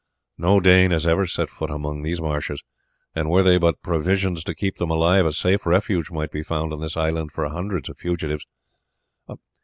No Dane has ever yet set foot among these marshes; and were there but provisions to keep them alive, a safe refuge might be found on this island for hundreds of fugitives.